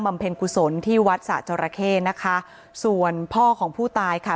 เพ็ญกุศลที่วัดสะจราเข้นะคะส่วนพ่อของผู้ตายค่ะ